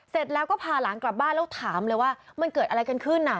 เสร็จแล้วก็พาหลานกลับบ้านแล้วถามเลยว่ามันเกิดอะไรกันขึ้นอ่ะ